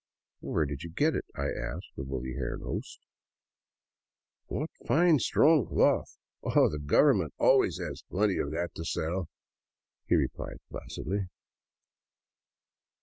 "Where did you get it?'* I asked the woolly haired host. " What, that fine, strong cloth ? Oh, the government always has plenty of that to sell," he replied placidly.